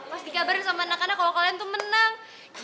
pas dikabarin sama anak anak kalau kalian tuh menang